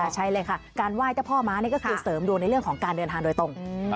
ใช่เลยค่ะการไหว้เจ้าพ่อม้านี่ก็คือเสริมดวงในเรื่องของการเดินทางโดยตรง